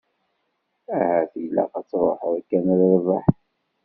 Ahat ilaq ad truḥeḍ kan a Rabaḥ.